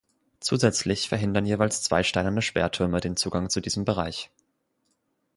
Zusätzlich verhindern jeweils zwei steinerne Sperrtürme den Zugang zu diesem Bereich.